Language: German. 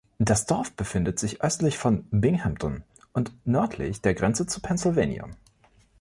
Das Dorf befindet sich östlich von Binghamton und nördlich der Grenze zu Pennsylvania.